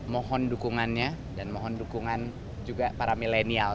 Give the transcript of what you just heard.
mohon dukungannya dan mohon dukungan juga para milenial